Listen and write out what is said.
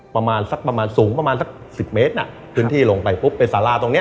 ประมาณสักประมาณสูงประมาณสักสิบเมตรน่ะพื้นที่ลงไปปุ๊บเป็นสาราตรงเนี้ย